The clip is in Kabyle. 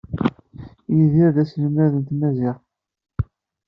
Yidir d aselmad n tmaziɣt.